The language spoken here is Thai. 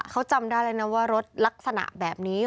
เขาจำได้เลยนะว่ารถลักษณะแบบนี้